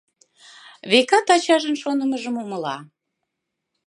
Векат, ачажын шонымыжым умыла.